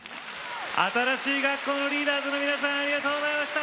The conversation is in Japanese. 新しい学校のリーダーズの皆さんありがとうございました。